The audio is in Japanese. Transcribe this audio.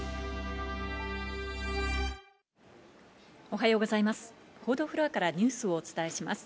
おはようございます。